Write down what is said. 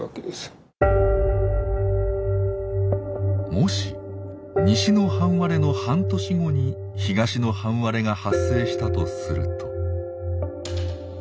もし西の半割れの半年後に東の半割れが発生したとすると。